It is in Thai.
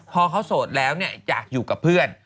พอเขาโสดแล้วอยากอยู่กับเพื่อน